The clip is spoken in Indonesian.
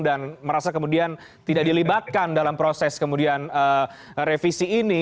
dan merasa kemudian tidak dilibatkan dalam proses kemudian revisi ini